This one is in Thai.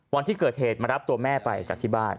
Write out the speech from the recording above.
วันที่เกิดเหตุมารับตัวแม่ไปจากที่บ้าน